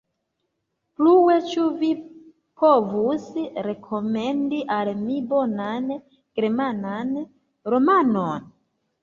Plue, ĉu vi povus rekomendi al mi bonan germanan romanon?